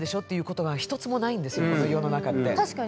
世の中って実は。